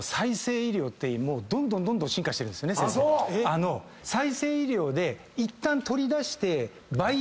あぁ再生医療でいったん。